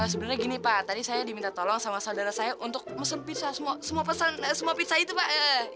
sebenernya gini pak tadi saya diminta tolong sama saudara saya untuk pesan pizza semua pesan semua pizza itu pak